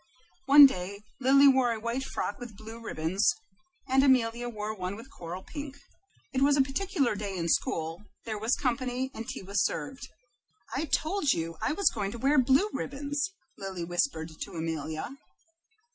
One day Lily wore a white frock with blue ribbons, and Amelia wore one with coral pink. It was a particular day in school; there was company, and tea was served. "I told you I was going to wear blue ribbons," Lily whispered to Amelia.